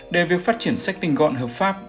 để việc phát triển sách tình gọn hợp pháp